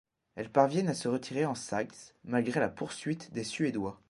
Ils parviennent à se retirer en Saxe malgré la poursuite des Suédois.